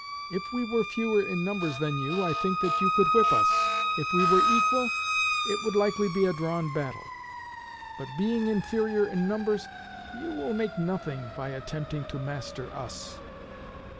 If we were fewer in numbers than you, I think that you could whip us; if we were equal, it would likely be a drawn battle; but being inferior in numbers, you will make nothing by attempting to master us.